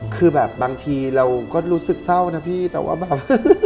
คือแบบบางทีเราก็รู้สึกเศร้านะพี่แต่ว่าแบบ